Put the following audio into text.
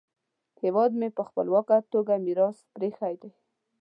هېواد یې په خپلواکه توګه میراث پریښی دی.